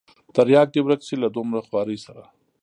ترياک دې ورک سي له دومره خوارۍ سره.